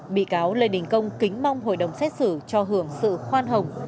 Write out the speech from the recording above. bị cáo lê đình công kính mong hội đồng xét xử cho hưởng sự khoan hồng